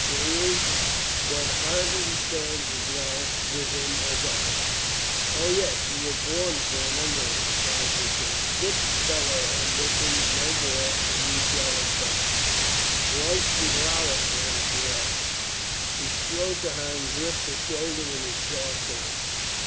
There is but Ireton stands as well with him as I —" "O, yes, you were born for an underling," cried Lucinda. "Good fellow, ambition no more and you shall attain." Royston glowered at her and she laughed. He strode to her and gripped her shoulder in his dark hand.